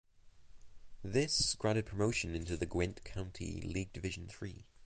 This granted promotion into the Gwent County League Division Three.